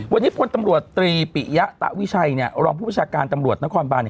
วันนี้พลตำรวจตรีปิยะตะวิชัยเนี่ยรองผู้ประชาการตำรวจนครบานเนี่ย